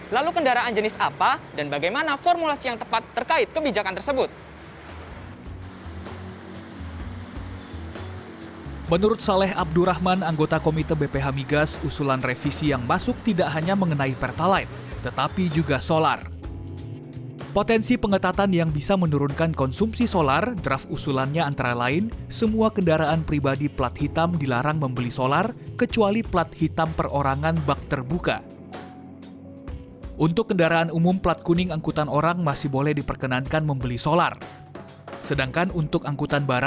lalu kendaraan jenis apa dan bagaimana formulasi yang tepat terkait kebijakan tersebut